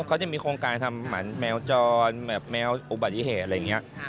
เขาจะมีโครงการทำเหมือนแมวจรแบบแมวอุบัติเหตุอะไรอย่างนี้